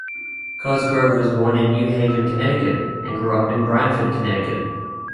Cosgrove was born in New Haven, Connecticut and grew up in Branford, Connecticut.